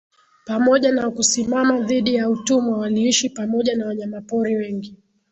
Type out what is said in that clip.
Pamoja na kusimama dhidi ya utumwa waliishi pamoja na wanyama pori wengi